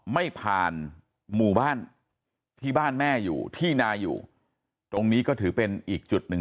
ไม่ผ่านหมู่บ้านที่บ้านแม่อยู่ที่นาอยู่ตรงนี้ก็ถือเป็นอีกจุดหนึ่ง